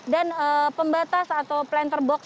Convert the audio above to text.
dan pembatas atau planter box